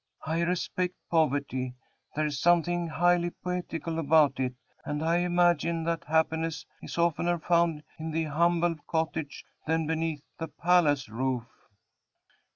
I respect poverty; there is something highly poetical about it, and I imagine that happiness is oftener found in the humble cottage than beneath the palace roof."